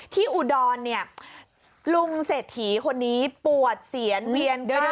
อุดรเนี่ยลุงเศรษฐีคนนี้ปวดเสียนเวียนด้วย